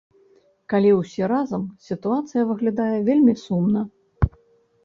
Калі ўсе разам, сітуацыя выглядае вельмі сумна.